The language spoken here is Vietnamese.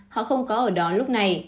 họ không có ở đó lúc này